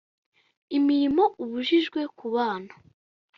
imirimo ibujijwe ku bana